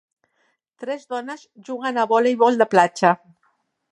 Tres dones juguen a voleibol de platja.